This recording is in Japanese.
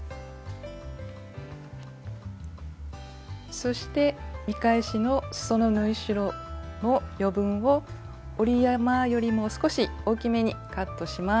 そして見返しのすその縫い代の余分を折り山よりも少し大きめにカットします。